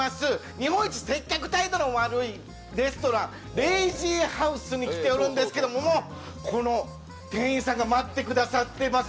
日本一接客態度が悪いレストラン、ｔｈｅＬＡＺＹＨＯＵＳＥに来ておるんですけどこの店員さんが待ってくださってます。